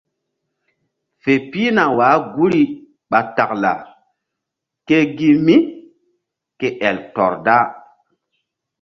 Fe pihna wah guri ɓa taklaa ke gi mí ke el tɔr da.